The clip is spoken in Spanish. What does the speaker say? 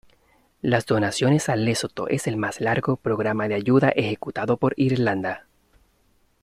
Las donaciones a Lesoto es el más largo programa de ayuda ejecutado por Irlanda.